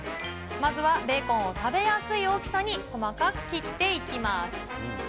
まずはベーコンを食べやすい大きさに細かく切っていきます。